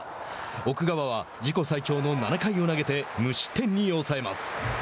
奥川は自己最長の７回を投げて無失点に抑えます。